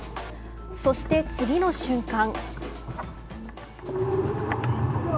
そして次の瞬間。